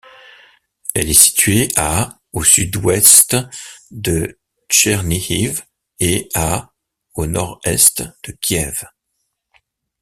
Elle est située à au sud-ouest de Tchernihiv et à au nord-est de Kiev.